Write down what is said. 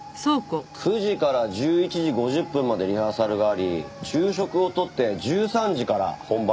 ９時から１１時５０分までリハーサルがあり昼食をとって１３時から本番が始まったようです。